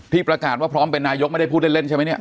ประกาศว่าพร้อมเป็นนายกไม่ได้พูดเล่นใช่ไหมเนี่ย